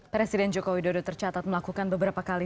presiden joko widodo tercatat melakukan beberapa kali